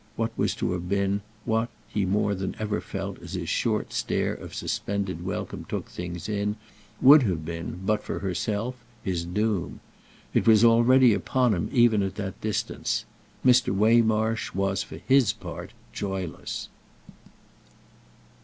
what was to have been, what—he more than ever felt as his short stare of suspended welcome took things in—would have been, but for herself, his doom. It was already upon him even at that distance—Mr. Waymarsh was for his part joyless.